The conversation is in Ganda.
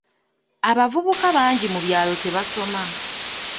Abavubuka bangi mu byalo tebasoma.